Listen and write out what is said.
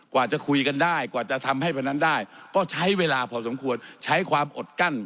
กว่าจะคุยกันได้กว่าจะทำให้วันนั้นได้ก็ใช้เวลาพอสมควรใช้ความอดกั้น